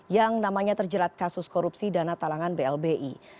yang namanya terjerat kasus korupsi dana talangan blbi